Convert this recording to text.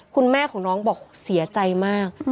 คุณแม่ของน้องบอกเสียใจมาก